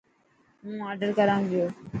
هون آڊر ڪران پيو.